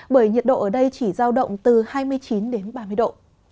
bởi nhiệt độ ở đây chỉ giao động từ hai mươi chín đến ba mươi độ